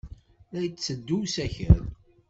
La d-yetteddu usakal.